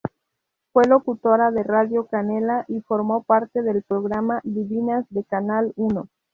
Fue locutora de Radio Canela y formó parte del programa "Divinas", de Canal Uno.